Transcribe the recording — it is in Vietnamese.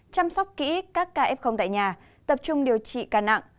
chăm sóc kỹ các ca f tại nhà tập trung điều trị ca nặng